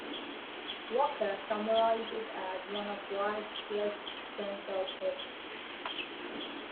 Walker summarized it as one of life's less essential purchases.